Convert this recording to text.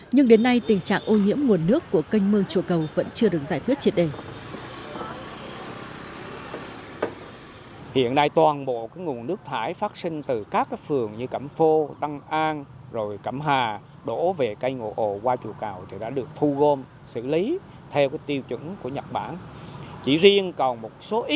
nhưng đến nay tình trạng ô nhiễm nguồn nước của kênh mương chùa cầu vẫn chưa được giải thuyết triệt đề